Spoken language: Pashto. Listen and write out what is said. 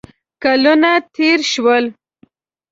کلونه تېر شول.